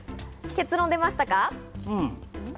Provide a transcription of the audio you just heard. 結論、出ましたか？